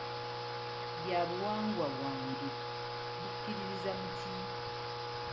Byabuwangwa bwange bukkiririza mu ki?